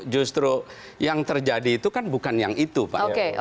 justru yang terjadi itu kan bukan yang itu pak